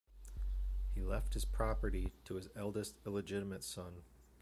He left his property to his eldest illegitimate son.